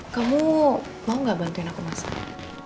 kamu mau gak bantuin aku masak